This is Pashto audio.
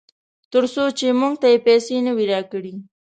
ترڅو چې موږ ته یې پیسې نه وي راکړې.